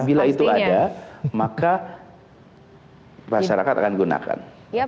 bila itu ada maka masyarakat akan gunakan